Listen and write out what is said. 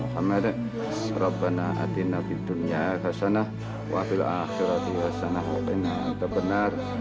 muhammad rabbana atinna bi dunya khasanah wa bil akhirati khasanah wa inna anta benar